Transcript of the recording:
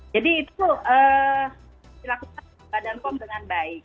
jadi itu dilakukan oleh badan pom dengan baik